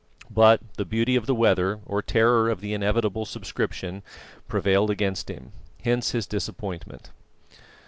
But the beauty of the weather, or terror of the inevitable subscription, prevailed against him. Hence his disappointment.